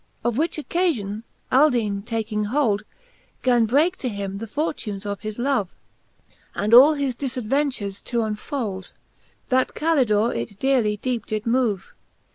of which occafion y^/J/;^^ taking hold, Gan breake to him the fortunes of his love, And all his difad ventures to unfold; That Calidore it dearly deepe did move.